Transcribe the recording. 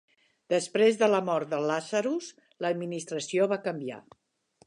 Després de la mort de Lazarus, l'administració va canviar.